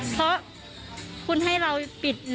เพราะคุณให้เราปิด๑